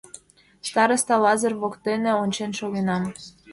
Староста Лазыр воктене ончен шогенам.